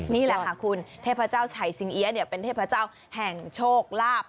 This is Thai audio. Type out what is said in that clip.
นี่แหละค่ะคุณเทพเจ้าชัยสิงเอี๊ยเป็นเทพเจ้าแห่งโชคลาภ